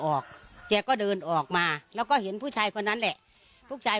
แกก็เดินออกมาแล้วก็เห็นผู้ชายคนนั้นแหละลูกชาย